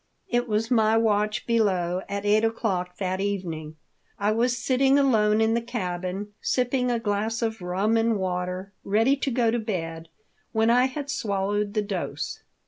It was my watch below at eight o'clock that evening. I was sitting alone in the cabin, sipping a glass of rum and water, ready to go to bed when I had swallowed the dose.